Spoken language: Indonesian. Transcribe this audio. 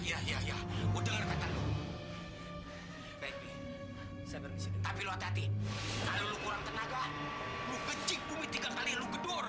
aku ingin sekali menyembuhkan ibu perempuan itu